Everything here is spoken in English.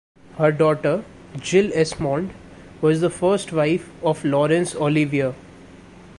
Her daughter, Jill Esmond, was the first wife of Laurence Olivier.